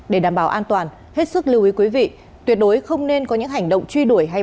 để đảm bảo an toàn hết sức lưu ý quý vị tuyệt đối không nên có những hành động truy đuổi hay bắt